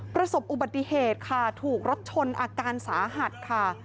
ประสบอุบัติเหตุค่ะถูกรถชนอาการสาหัสค่ะ